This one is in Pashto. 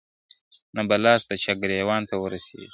نه به لاس د چا گرېوان ته ور رسېږي ,